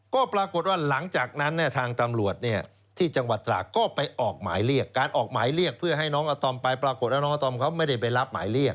ก็ปรากฏว่าหลังจากนั้นเนี่ยทางตำรวจเนี่ยที่จังหวัดตราดก็ไปออกหมายเรียกการออกหมายเรียกเพื่อให้น้องอาตอมไปปรากฏว่าน้องอาตอมเขาไม่ได้ไปรับหมายเรียก